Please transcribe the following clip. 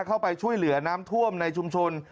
เข้าไปช่วยเหลือน้ำท่วมในชุมชน